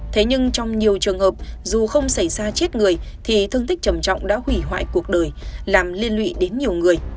thế nhưng trong nhiều trường hợp dù không xảy ra chết người thì thương tích trầm trọng đã hủy hoại cuộc đời làm liên lụy đến nhiều người